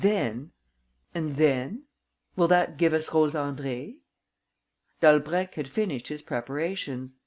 and then? Will that give us Rose Andrée?" Dalbrèque had finished his preparations.